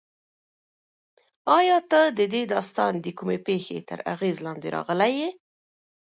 ایا ته د دې داستان د کومې پېښې تر اغېز لاندې راغلی یې؟